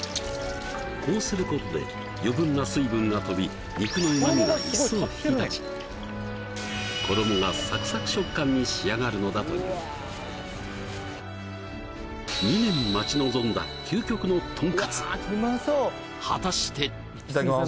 こうすることで余分な水分が飛び肉の旨味が一層引き立ち衣がサクサク食感に仕上がるのだという果たしていただきます